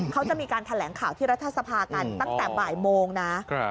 เขาจะมีการแถลงข่าวที่รัฐสภากันตั้งแต่บ่ายโมงนะ